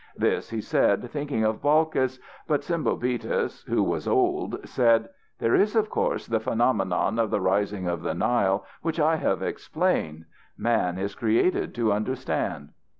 This he said thinking of Balkis. But Sembobitis, who was old, said: "There is of course the phenomenon of the rising of the Nile which I have explained. Man is created to understand."